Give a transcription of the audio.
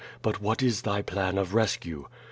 "But what is thy plan of rescue?"